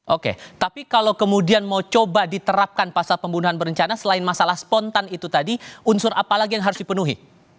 oke tapi kalau kemudian mau coba diterapkan pasal pembunuhan berencana selain masalah spontan itu tadi unsur apa lagi yang harus dipenuhi